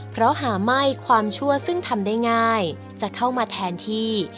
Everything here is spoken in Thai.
เพราะหาไม่ความชั่วซึ่งทำได้ง่ายจะเข้ามาแทนที่